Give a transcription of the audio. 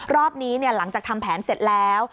รอบนี้หลังจากทำแผนเสร็จแล้ว